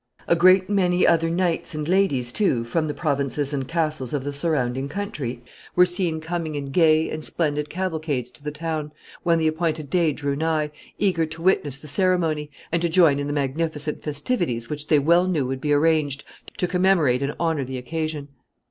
A great many other knights and ladies, too, from the provinces and castles of the surrounding country, were seen coming in gay and splendid cavalcades to the town, when the appointed day drew nigh, eager to witness the ceremony, and to join in the magnificent festivities which they well knew would be arranged to commemorate and honor the occasion.